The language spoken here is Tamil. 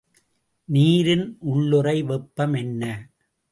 நீரின் உள்ளுறை வெப்பம் என்ன?